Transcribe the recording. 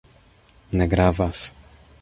Ne gravas!